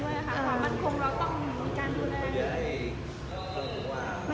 อืมเล่านั้นประชุม